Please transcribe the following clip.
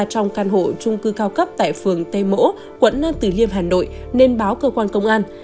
trong căn hộ trung cư cao cấp tại phường tây mỗ quận nam tử liêm hà nội nên báo cơ quan công an